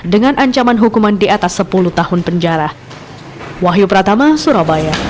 dengan ancaman hukuman di atas sepuluh tahun penjara